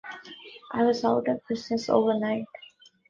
I was out of business overnight.